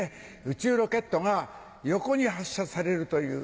宇宙ロケットが横に発射されるという。